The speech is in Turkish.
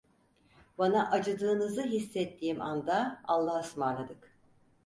Bana acıdığınızı hissettiğim anda allahaısmarladık!